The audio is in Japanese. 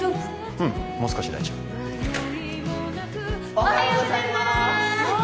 うんもう少し大丈夫おはようございまーすあっ